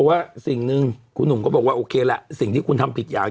ขอบคุณนะครับขอบคุณนะครับขอบคุณนะครับ